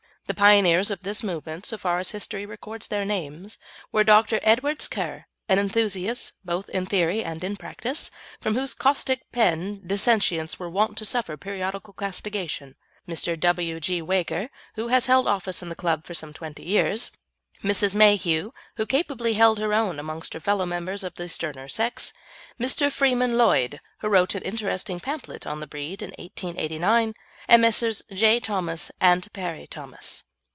The pioneers of this movement, so far as history records their names, were Dr. Edwardes Ker, an enthusiast both in theory and in practice, from whose caustic pen dissentients were wont to suffer periodical castigation; Mr. W. G. Weager, who has held office in the club for some twenty years; Mrs. Mayhew, who capably held her own amongst her fellow members of the sterner sex; Mr. Freeman Lloyd, who wrote an interesting pamphlet on the breed in 1889; and Messrs. J. Thomas and Parry Thomas.